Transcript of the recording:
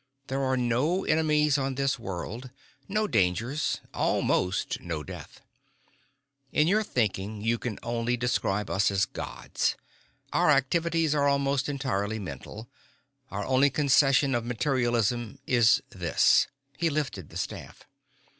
There are no enemies on this world, no dangers, almost no death. In your thinking you can only describe us as gods. Our activities are almost entirely mental. Our only concession of materialism is this." He lifted the staff.